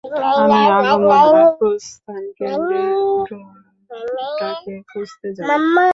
আমি আগমন আর প্রস্থান কেন্দ্রে ড্রোনটাকে খুঁজতে যাব।